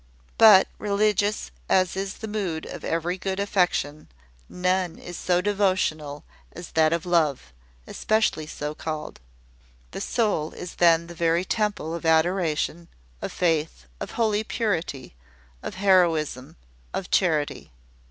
But, religious as is the mood of every good affection, none is so devotional as that of love, especially so called. The soul is then the very temple of adoration, of faith, of holy purity, of heroism, of charity.